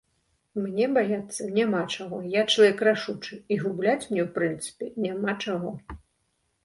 Мне баяцца няма чаго, я чалавек рашучы, і губляць мне, у прынцыпе, няма чаго.